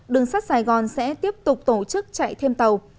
đường sắt sài gòn sẽ tiếp tục tổ chức chạy thêm tàu